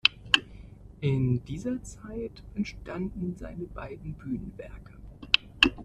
In dieser Zeit entstanden seine beiden Bühnenwerke.